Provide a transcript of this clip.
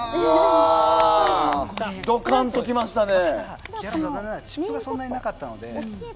ドカンときましたね。